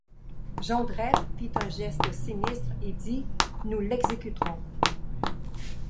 Jondrette fit un geste sinistre et dit: — Nous l’exécuterons.